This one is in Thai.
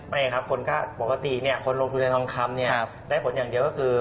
ไม่ครับปกติคนลงทุนในดองคลัมเนี่ยได้ผลอย่างเดียวก็คือ